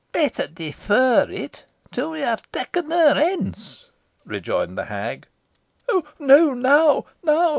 "Better defer it till we have taken her hence," rejoined the hag. "Oh! no, now now!